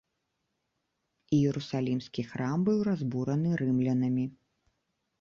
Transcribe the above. Іерусалімскі храм быў разбураны рымлянамі.